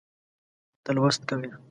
ته لوست کوې